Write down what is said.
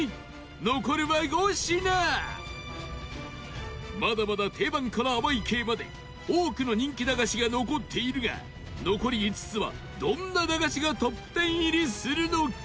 残るは５品まだまだ定番から甘い系まで多くの人気駄菓子が残っているが残り５つは、どんな駄菓子がトップ１０入りするのか？